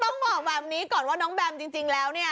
ต้องบอกแบบนี้ก่อนว่าน้องแบมจริงแล้วเนี่ย